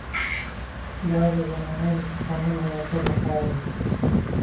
دا د زمان له توپانونو راوتلې خاوره